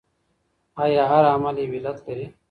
آيا هر عمل يو علت لري؟